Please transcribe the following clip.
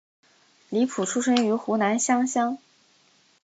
李普出生于湖南湘乡。